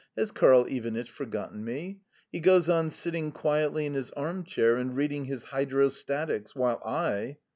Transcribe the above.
"Has Karl Ivanitch forgotten me? He goes on sitting quietly in his arm chair and reading his Hydrostatics, while I